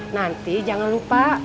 nanti jangan lupa